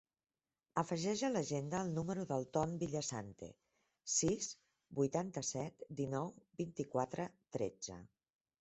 Afegeix a l'agenda el número del Ton Villasante: sis, vuitanta-set, dinou, vint-i-quatre, tretze.